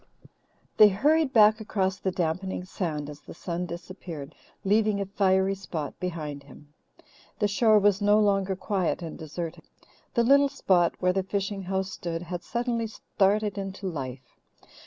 They hurried back across the dampening sand as the sun disappeared, leaving a fiery spot behind him. The shore was no longer quiet and deserted. The little spot where the fishing house stood had suddenly started into life.